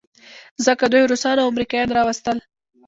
ځکه دوی روسان او امریکایان راوستل.